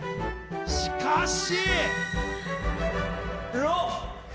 しかし。